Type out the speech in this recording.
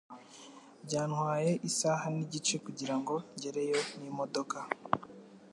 Byantwaye isaha nigice kugirango ngereyo n'imodoka.